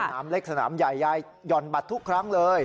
นามเล็กสนามใหญ่ยายหย่อนบัตรทุกครั้งเลย